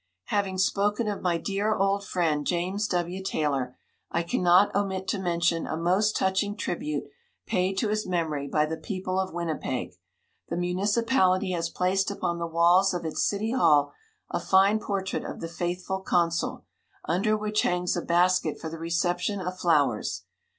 Having spoken of my dear old friend, James W. Taylor, I cannot omit to mention a most touching tribute paid to his memory by the people of Winnipeg. The municipality has placed upon the walls of its city hall a fine portrait of the faithful consul, under which hangs a basket for the reception of flowers.